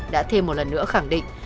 đã thêm một lần nữa khẳng định